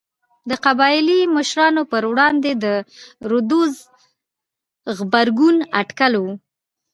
د قبایلي مشرانو پر وړاندې د رودز غبرګون اټکل و.